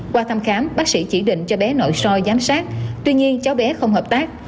qua thăm khám bác sĩ chỉ định cho bé nội soi giám sát tuy nhiên cháu bé không hợp tác